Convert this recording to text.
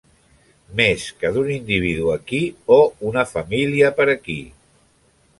Més que d'un individu aquí o una família per aquí.